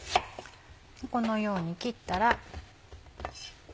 このように切ったら。